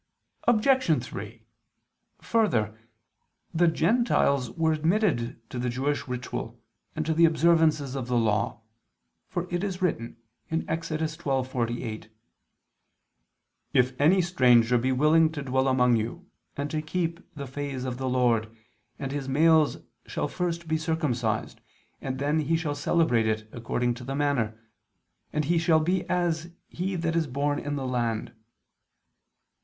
Obj. 3: Further, the Gentiles were admitted to the Jewish ritual and to the observances of the Law: for it is written (Ex. 12:48): "If any stranger be willing to dwell among you, and to keep the Phase of the Lord, all his males shall first be circumcised, and then shall he celebrate it according to the manner; and he shall be as he that is born in the land."